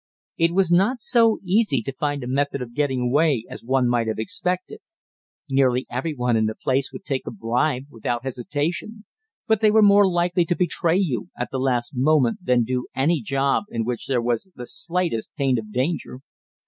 It was not so easy to find a method of getting away as one might have expected. Nearly every one in the place would take a bribe without hesitation; but they were more likely to betray you at the last moment than do any job in which there was the slightest taint of danger.